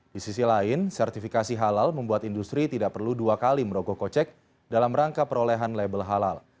di sisi lain sertifikasi halal membuat industri tidak perlu dua kali merogoh kocek dalam rangka perolehan label halal